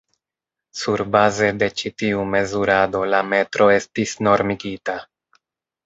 Surbaze de ĉi tiu mezurado la metro estis normigita.